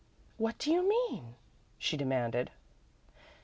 "What do you mean?" she demanded.